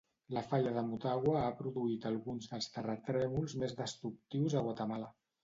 La falla de Motagua ha produït alguns dels terratrèmols més destructius a Guatemala.